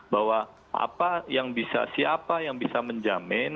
bahwa siapa yang bisa menjamin